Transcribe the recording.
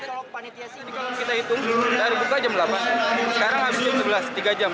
kalau kita hitung dari buka jam delapan sekarang habis jam sebelas tiga jam